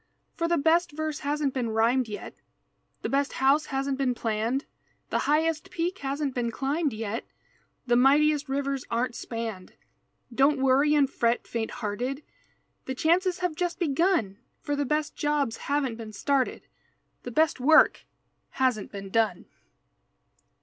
For the best verse hasn't been rhymed yet, The best house hasn't been planned, The highest peak hasn't been climbed yet, The mightiest rivers aren't spanned, Don't worry and fret, faint hearted, The chances have just begun, For the Best jobs haven't been started, The Best work hasn't been done.